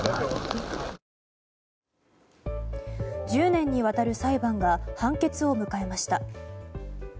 １０年にわたる裁判が判決を迎えました。